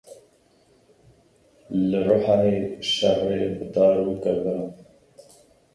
Li Rihayê şerê bi dar û keviran.